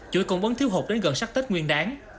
chuỗi cộng bấn thiếu hột đến gần sắc tết nguyên đáng